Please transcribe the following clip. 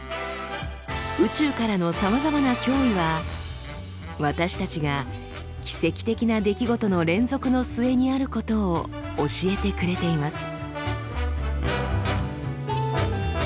宇宙からのさまざまな脅威は私たちが奇跡的な出来事の連続の末にあることを教えてくれています。